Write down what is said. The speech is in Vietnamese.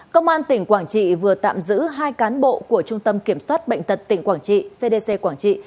công an tỉnh quảng trị vừa tạm giữ hai cán bộ của trung tâm kiểm soát bệnh tật tỉnh quảng trị cdc quảng trị